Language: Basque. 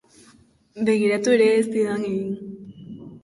Begiratu ere ez zidan egin.